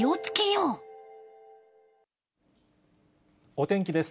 お天気です。